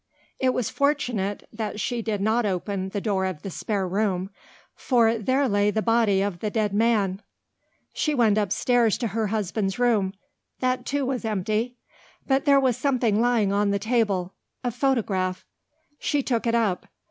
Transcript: It was fortunate that she did not open the door of the spare room, for there lay the body of the dead man. She went upstairs to her husband's room. That too was empty. But there was something lying on the table a photograph. She took it up.